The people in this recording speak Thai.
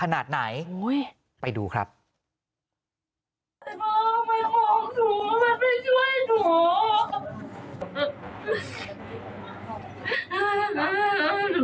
หนูไม่ยอมหนูไม่ยอมมันรักหนู